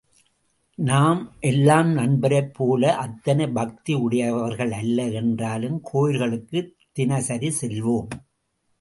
நாம் எல்லாம் நண்பரைப் போல அத்தனை பக்தி உடையவர்கள் அல்ல என்றாலும் கோயில்களுக்குத் தினசரி செல்வோம்.